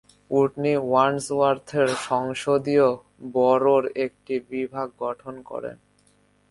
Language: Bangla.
পুটনি ওয়ান্ডসওয়ার্থের সংসদীয় বরোর একটি বিভাগ গঠন করেন।